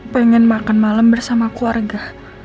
pengen makan malam bersama keluarga